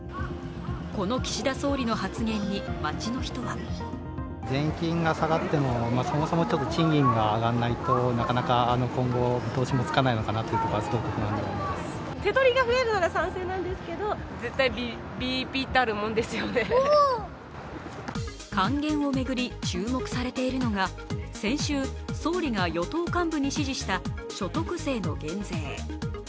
この岸田総理の発言に、街の人は還元を巡り注目されているのが先週、総理が与党幹部に指示した所得税の減税。